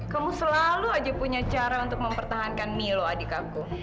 kamu selalu aja punya cara untuk mempertahankan milo adik aku